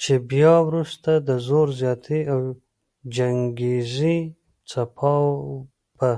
چې بیا وروسته د زور زیاتی او چنګیزي څپاو په